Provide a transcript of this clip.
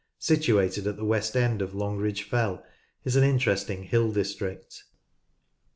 (3285), situated at the west end of Long ridge Fell, is in an interesting hill district, (p.